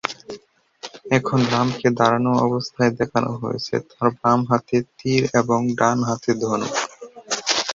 এখানে রামকে দাঁড়ানো অবস্থায় দেখানো হয়েছে, তার বাম হাতে তীর এবং ডান হাতে ধনুক।